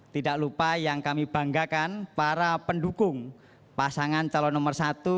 tidak lupa yang kami banggakan para pendukung pasangan calon nomor satu